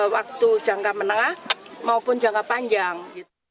waktu jangka menengah maupun jangka panjang